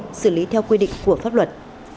cũng xử lý theo quy định của pháp luật